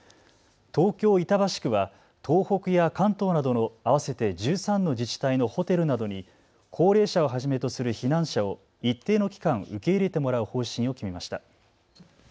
東京板橋区は東北や関東などの合わせて１３の自治体のホテルなどに高齢者をはじめとする避難者を一定の期間受け入れてもらう方針を決めました。